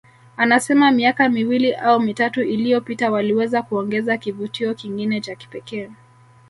Anasema miaka miwili au mitatu iliyopita waliweza kuongeza kivutio kingine cha kipekee